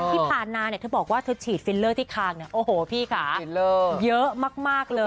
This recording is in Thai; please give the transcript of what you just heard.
ที่ผ่านมาเนี่ยเธอบอกว่าเธอฉีดฟิลเลอร์ที่คางเนี่ยโอ้โหพี่ค่ะเยอะมากเลย